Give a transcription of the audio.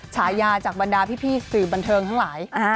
ฉายาจากบรรดาพี่สื่อบันเทิงทั้งหลาย